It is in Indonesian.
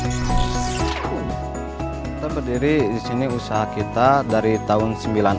kita berdiri di sini usaha kita dari tahun seribu sembilan ratus